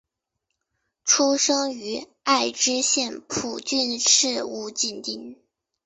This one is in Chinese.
出身于爱知县蒲郡市五井町。